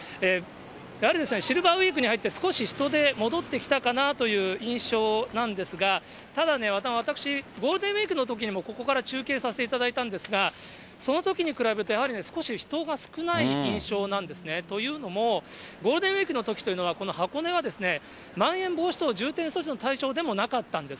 やはりシルバーウイークに入って少し人出、戻ってきたかなという印象なんですが、ただね、私、ゴールデンウィークのときにも、ここから中継させていただいたんですが、そのときに比べて、やはり少し人が少ない印象なんですね。というのも、ゴールデンウィークのときというのは、この箱根はまん延防止等重点措置の対象でもなかったんです。